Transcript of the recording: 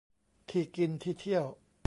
ที่กินที่เที่ยว